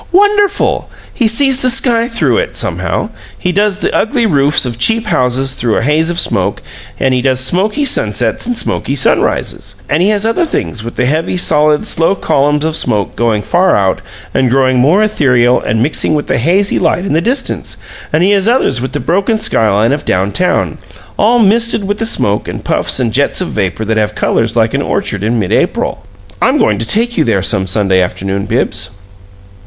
"Wonderful! He sees the sky through it, somehow. He does the ugly roofs of cheap houses through a haze of smoke, and he does smoky sunsets and smoky sunrises, and he has other things with the heavy, solid, slow columns of smoke going far out and growing more ethereal and mixing with the hazy light in the distance; and he has others with the broken sky line of down town, all misted with the smoke and puffs and jets of vapor that have colors like an orchard in mid April. I'm going to take you there some Sunday afternoon, Bibbs."